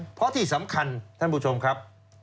เพราะที่สำคัญท่านผู้ชมครับ